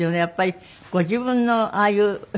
やっぱりご自分のああいう。